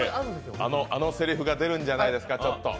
あのせりふが出るんじゃないですか？